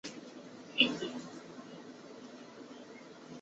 经济部国际贸易局也于布达佩斯设立驻匈牙利代表处经济组。